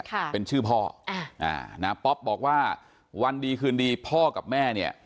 ค่ะเป็นชื่อพ่ออ่าอ่านะป๊อปบอกว่าวันดีคืนดีพ่อกับแม่เนี่ย